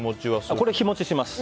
これ日持ちします。